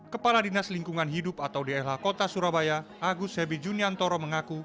kepala dinas lingkungan hidup atau dlh kota surabaya agus hebi juniantoro mengaku